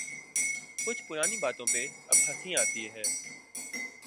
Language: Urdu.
کئی پرانی باتوں پہ اب ہنسی آتی ہے۔